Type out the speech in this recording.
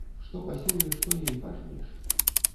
Што пасееш, тое і пажнеш.